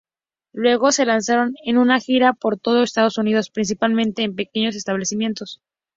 Luego se lanzaron en una gira por todo Estados Unidos, principalmente en pequeños establecimientos.